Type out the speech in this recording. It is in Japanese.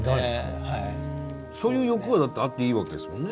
そういう欲はあっていいわけですもんね。